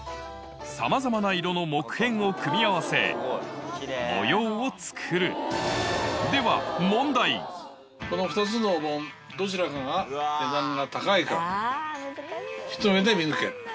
さまざまな色の木片を組み合わせ模様を作るこの２つのお盆どちらが値段が高いかひと目で見抜け！